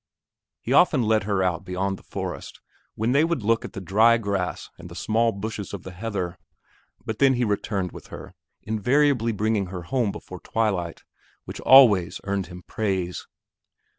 He often led her out beyond the forest, when they would look at the dry grass and the small bushes of the heather; but then he returned with her, invariably bringing her home before twilight, which always earned him praise.